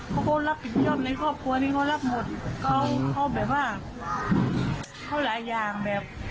เขาก็รับผิดชอบในครอบครัวนี้เขารับหมดเขาเขาแบบว่าเขาหลายอย่างแบบ